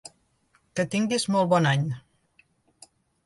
Que tinguis molt bon any!